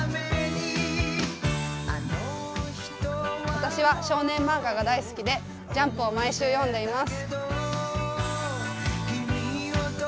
私は少年漫画が大好きで、「ジャンプ」を毎週読んでいます。